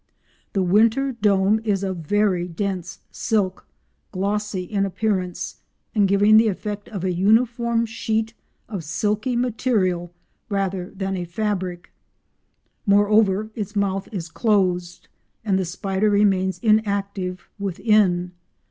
The winter dome is of very dense silk, glossy in appearance, and giving the effect of a uniform sheet of silky material rather than a fabric. Moreover its mouth is closed, and the spider remains inactive within.